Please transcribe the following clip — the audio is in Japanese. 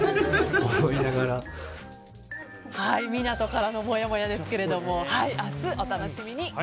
湊からのもやもやですけれども明日お楽しみに。